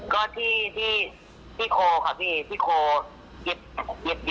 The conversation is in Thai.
ก็ที่โคลครับพี่พี่โคลเจ็บเยอะ